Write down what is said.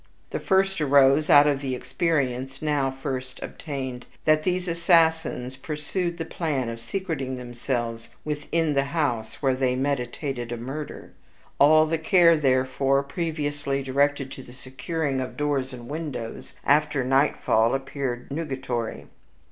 The first arose out of the experience, now first obtained, that these assassins pursued the plan of secreting themselves within the house where they meditated a murder. All the care, therefore, previously directed to the securing of doors and windows after nightfall appeared nugatory.